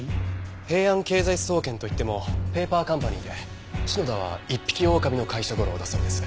平安経済総研といってもペーパーカンパニーで篠田は一匹狼の会社ゴロだそうです。